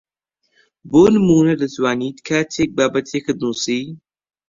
بۆ نموونە دەتوانیت کاتێک بابەتێکت نووسی